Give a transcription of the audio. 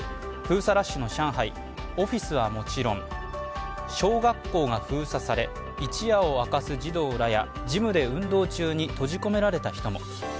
封鎖ラッシュの上海オフィスはもちろん小学校が封鎖され一夜を明かす児童らやジムで運動中に閉じ込められた人も。